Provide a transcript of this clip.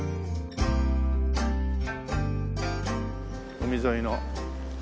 海沿いの。